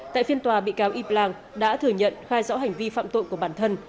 tại phiên tòa bị cáo y blang đã thừa nhận khai rõ hành vi phạm tội của bản thân